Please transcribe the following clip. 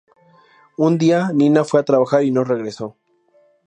Un día Nina fue a trabajar y no regresó.